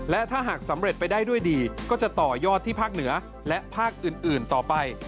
และถ้าหากสำเร็จไปได้ด้วยดีก็จะต่อยอดที่ภาคเหนือและภาคอื่นต่อไป